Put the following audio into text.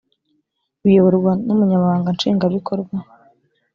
biyoborwa n umunyamabanga nshingwa bikorwa